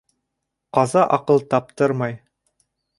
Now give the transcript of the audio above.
Ҡаза аҡыл таптырмай.